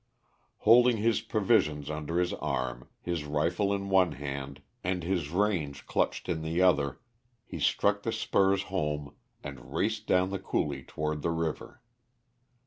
Holding his provisions under his arm, his rifle in one hand, and his reins clutched in the other, he struck the spurs home and raced down the coulee toward the river.